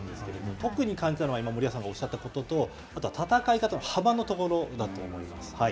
特に感じたのは今、森保さんがおっしゃったことと、あと、戦い方の幅のところだと思います。